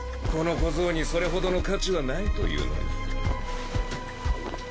この小僧にそれほどの価値はないというのに。